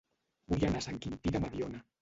Vull anar a Sant Quintí de Mediona